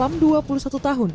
badrus salam dua puluh satu tahun